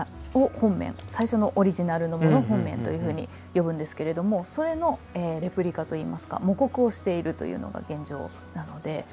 最初のオリジナルのものを本面というふうに呼ぶんですがそれのレプリカといいますか模刻をしているというのが現状なので。